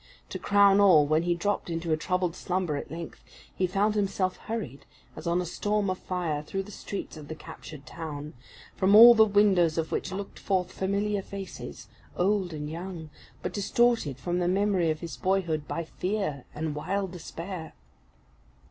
To crown all, when he dropped into a troubled slumber at length, he found himself hurried, as on a storm of fire, through the streets of the captured town, from all the windows of which looked forth familiar faces, old and young, but distorted from the memory of his boyhood by fear and wild despair.